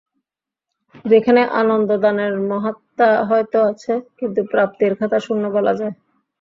যেখানে আনন্দদানের মাহাত্ম্য হয়তো আছে, কিন্তু প্রাপ্তির খাতা শূন্য বলা যায়।